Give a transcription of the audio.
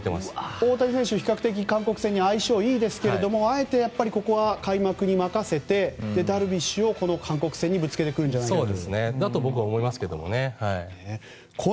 大谷選手、比較的韓国戦に相性がいいですがあえて、ここは開幕に任せてダルビッシュを韓国戦にぶつけてくるんじゃないかと。